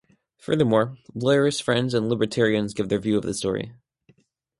Furthermore, lawyers, friends, and libertarians give their view of the story.